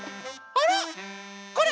あれ？